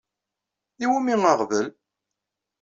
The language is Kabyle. Iwumi aɣbel?